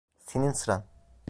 Senin sıran.